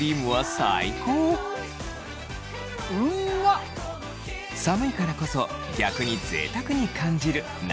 寒いからこそ逆にぜいたくに感じるなどなど。